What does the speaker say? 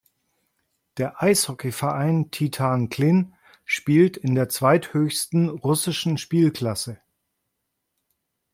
Der Eishockeyverein Titan Klin spielt in der zweithöchsten russischen Spielklasse.